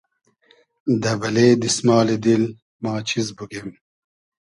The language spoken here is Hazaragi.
دۂ بئلې دیسمالی دیل ما چیز بوگیم